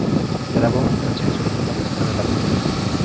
Grabamos canciones originales para la película.